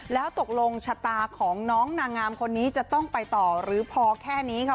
แล้วตกลงชะตาของน้องนางงามคนนี้จะต้องไปต่อหรือพอแค่นี้ค่ะ